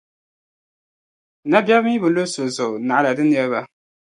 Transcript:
Nabεri mi bi luri so zuɣu naɣila di niriba.